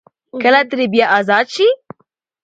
کله ترې بيا ازاد شي ـ